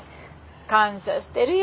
感謝してるよ